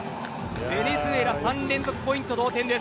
ベネズエラ３連続ポイント同点です。